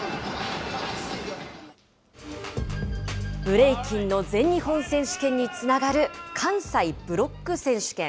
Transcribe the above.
ブレイキンの全日本選手権につながる関西ブロック選手権。